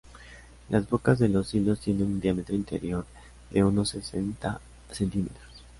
Las bocas de los silos tienen un diámetro interior de unos sesenta centímetros.